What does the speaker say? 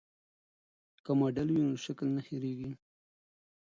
که ماډل وي نو شکل نه هېریږي.